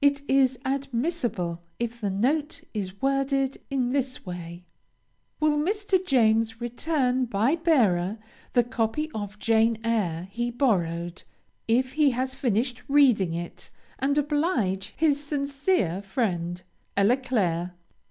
It is admissible, if the note is worded in this way: Will Mr. James return by bearer, the copy of "Jane Eyre" he borrowed, if he has finished reading it, and oblige his sincere friend, ELLA CLAIRE.